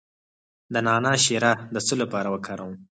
د نعناع شیره د څه لپاره وکاروم؟